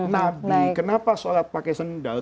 nabi kenapa sholat pakai sendal